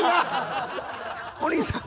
お兄さん！